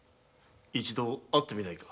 一度会ってみないか？